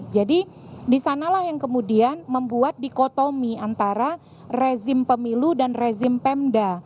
jadi disanalah yang kemudian membuat dikotomi antara rezim pemilu dan rezim pemda